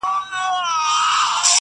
جانان ته تر منزله رسېدل خو تکل غواړي٫